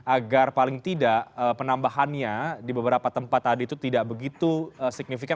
agar paling tidak penambahannya di beberapa tempat tadi itu tidak begitu signifikan